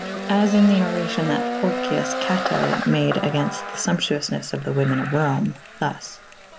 As in the oracyon that Por cyus Cato made agaynfte the fumptuoufnes of the women of Rome / thus.'